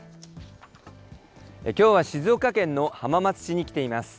きょうは静岡県の浜松市に来ています。